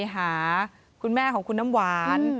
หาคุณแม่ของคุณน้ำหวาน